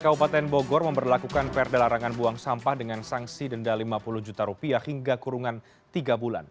kabupaten bogor memperlakukan perda larangan buang sampah dengan sanksi denda lima puluh juta rupiah hingga kurungan tiga bulan